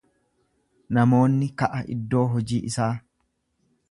Namoonni ka'a iddoo hojii isaa.